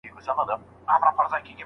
باده ورو تېر شه چې زما د اشنا یادګار دی.